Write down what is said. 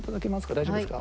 大丈夫ですか？